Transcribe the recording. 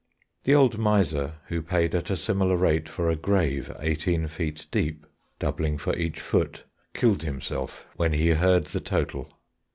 The old miser who paid at a similar rate for a grave eighteen feet deep (doubling for each foot), killed himself when he heard the total.